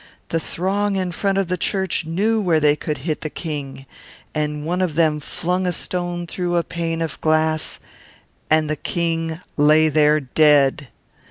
The throng in front of the church knew where they could hit the King, and one of them flung a stone through a pane of glass, and the King lay there dead!